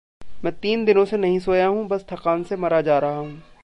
मैं तीन दिनों से नहीं सोया हूँ, बस थकान से मरा जा रहा हूँ।